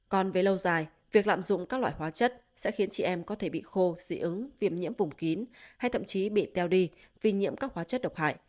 còn về lâu dài việc lạm dụng các loại hóa chất sẽ khiến chị em có thể bị khô dị ứng viêm nhiễm vùng kín hay thậm chí bị teo đi vì nhiễm các hóa chất độc hại